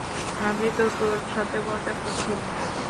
আমি তো তোর সাথে মজা করছিলাম।